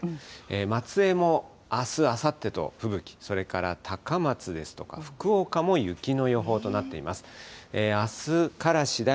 松江も、あす、あさってと吹雪、それから高松と福岡も雪の予報となっています。